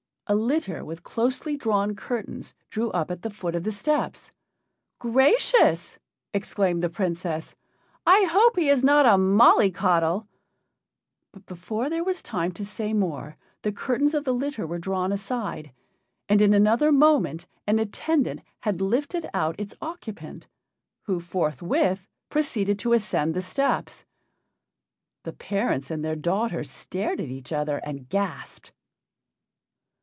A litter, with closely drawn curtains, drew up at the foot of the steps. "Gracious!" exclaimed the Princess, "I hope he is not a molly coddle;" but before there was time to say more the curtains of the litter were drawn aside, and in another moment an attendant had lifted out its occupant, who forthwith proceeded to ascend the steps. The parents and their daughter stared at each other and gasped.